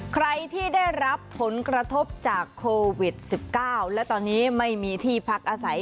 ใครที่ได้รับผลกระทบจากโควิด๑๙และตอนนี้ไม่มีที่พักอาศัย